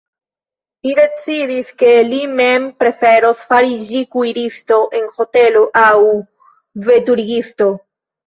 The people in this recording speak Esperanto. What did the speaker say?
Li decidis, ke li mem preferos fariĝi kuiristo en hotelo aŭ veturigisto.